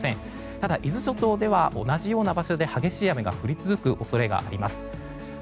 ただ、伊豆諸島では同じような場所で激しい雨が降り続く恐れがあります。